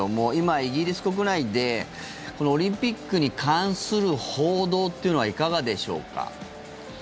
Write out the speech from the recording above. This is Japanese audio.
イギリス国内でオリンピックに関する報道っていうのはいかがでしょうか。